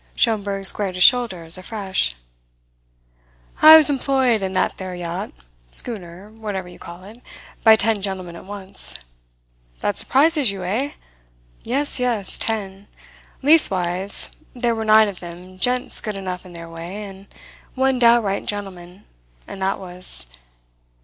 Schomberg squared his shoulders afresh. "I was employed, in that there yacht schooner, whatever you call it by ten gentlemen at once. That surprises you, eh? Yes, yes, ten. Leastwise there were nine of them gents good enough in their way, and one downright gentleman, and that was